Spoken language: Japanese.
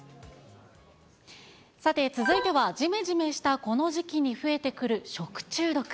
さて、続いてはじめじめしたこの時期に増えてくる食中毒。